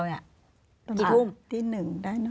กี่พรุ่งประมาณตีหนึ่งได้นะครับ